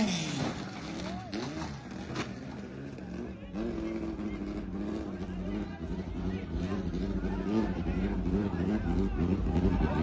เยี่ยมมากโอ้โอ้